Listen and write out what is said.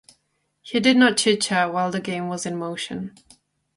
He did not chitchat while the game was in motion.